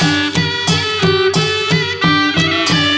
มีชื่อว่าโนราตัวอ่อนครับ